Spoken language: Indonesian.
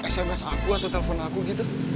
sms aku atau telepon aku gitu